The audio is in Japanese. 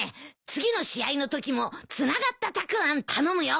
次の試合のときもつながったたくあん頼むよ。